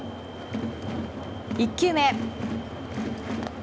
１球目。